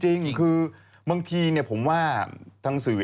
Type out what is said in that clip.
จริงคือบางทีผมว่าทางสื่อ